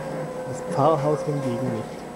Das Pfarrhaus hingegen nicht.